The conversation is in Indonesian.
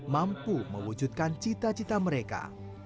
mampu mewujudkan cita cita mereka